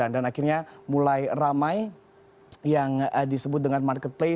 dan akhirnya mulai ramai yang disebut dengan marketplace